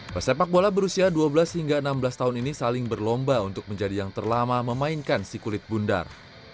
pesepak bola berusia dua belas hingga enam belas tahun ini saling berlomba untuk menjadi yang terlama memainkan si kulit bundar